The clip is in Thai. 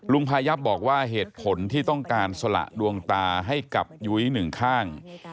พายับบอกว่าเหตุผลที่ต้องการสละดวงตาให้กับยุ้ยหนึ่งข้าง